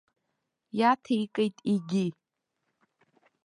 Иаҭеикит егьи.